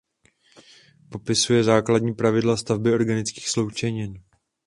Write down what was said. Popisuje základní pravidla stavby organických sloučenin.